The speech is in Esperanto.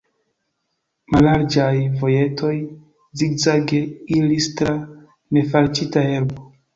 Mallarĝaj vojetoj zigzage iris tra nefalĉita herbo.